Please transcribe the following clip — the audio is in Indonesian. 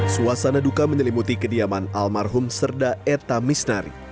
suasana duka menyelimuti kediaman almarhum serda eta misnari